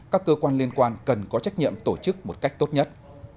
các cơ quan liên quan cần có trách nhiệm tổ chức một cách tốt nhất